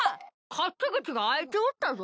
勝手口が開いておったぞ。